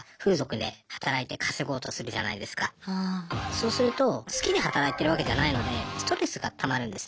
そうすると好きで働いてるわけじゃないのでストレスがたまるんですね。